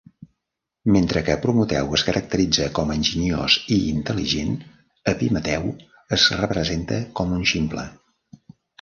Mentre que Prometeu es caracteritza com enginyós i intel·ligent, Epimeteu es representa com un ximple.